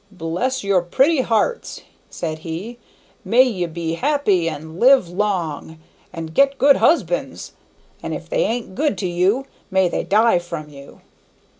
"Bless your pretty hearts!" said he; "may ye be happy, and live long, and get good husbands, and if they ain't good to you may they die from you!"